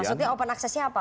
maksudnya open access nya apa